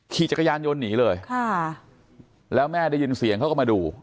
ขี่จักรยานยนต์หนีเลยค่ะแล้วแม่ได้ยินเสียงเขาก็มาดู